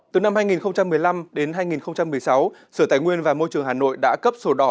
từ năm hai nghìn một mươi năm đến hai nghìn một mươi sáu sở tài nguyên và môi trường hà nội đã cấp sổ đỏ